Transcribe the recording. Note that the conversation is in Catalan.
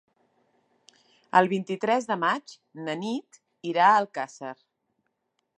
El vint-i-tres de maig na Nit irà a Alcàsser.